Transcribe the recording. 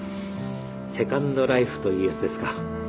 セカンドライフというやつですか。